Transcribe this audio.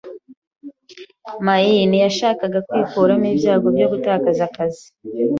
my ntiyashakaga kwikuramo ibyago byo gutakaza akazi.